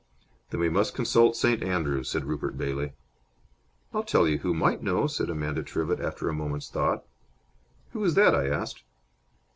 "Then we must consult St. Andrews," said Rupert Bailey. "I'll tell you who might know," said Amanda Trivett, after a moment's thought. "Who is that?" I asked.